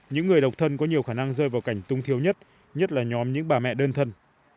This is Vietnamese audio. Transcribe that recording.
những người độc thân có nhiều khả năng rơi vào cảnh tung thiếu nhất nhất là nhóm những bà mẹ đơn thân